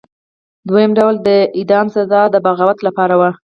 دویم ډول د اعدام سزا د بغاوت لپاره وه.